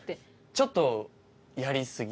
ちょっとやりすぎ？